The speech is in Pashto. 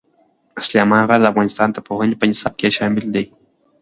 سلیمان غر د افغانستان د پوهنې په نصاب کې شامل دی.